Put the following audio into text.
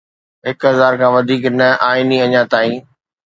هڪ هزار کان وڌيڪ نه، آئيني اڃا تائين